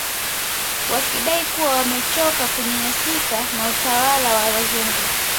Wakidai kuwa wamechoka kunyanyasika na utawala wa wazungu